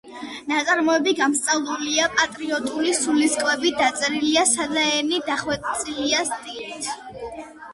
ნაწარმოები გამსჭვალულია პატრიოტული სულისკვეთებით, დაწერილია სადა ენით, დახვეწილი სტილით.